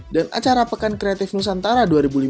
dan acara pekan kreatif nusantara dua ribu lima belas